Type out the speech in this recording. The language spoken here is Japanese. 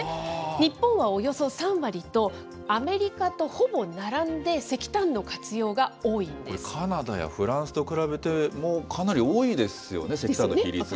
日本はおよそ３割と、アメリカとほぼ並んで石炭の活用が多いんでこれ、カナダやフランスと比べてもかなり多いですよね、石炭の比率がね。